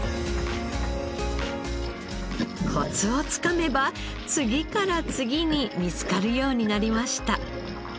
コツをつかめば次から次に見つかるようになりました。